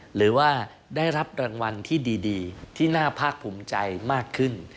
หรือว่าได้รับรางวัลที่ดีที่น่าภาคภูมิใจมากขึ้น